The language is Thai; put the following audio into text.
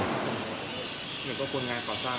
หรือว่าคนงานก่อสร้างมีใครมาแกล้ง